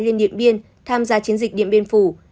lên điện biên tham gia chiến dịch điện biên phủ